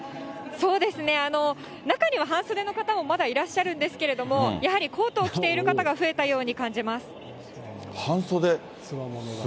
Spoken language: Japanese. そうですね、中には半袖の方もまだいらっしゃるんですけれども、やはりコートを着ている方が増えたように感じます。